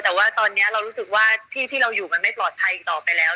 แต่ว่าตอนนี้เรารู้สึกว่าที่ที่เราอยู่มันไม่ปลอดภัยต่อไปแล้ว